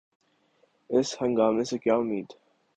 اس ہنگامے سے کیا امید؟